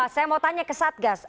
saya mau tanya ke satgas